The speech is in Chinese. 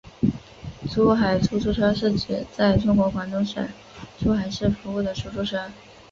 珠海出租车是指在中国广东省珠海市服务的出租车。